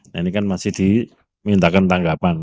nah ini kan masih dimintakan tanggapan